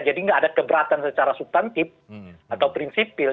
jadi nggak ada keberatan secara subtantif atau prinsipil